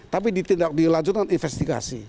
tapi dilanjutkan dengan investigasi